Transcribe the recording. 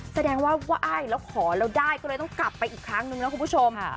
แสดงว่าไหว้แล้วขอแล้วได้ก็เลยต้องกลับไปอีกครั้งนึงนะคุณผู้ชม